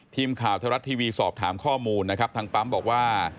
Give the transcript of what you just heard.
ทีมข่าวไทยรัฐทีวีสอบถามข้อมูลนะครับทางปั๊มบอกว่า